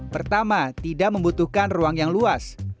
pertama tidak membutuhkan ruang yang luas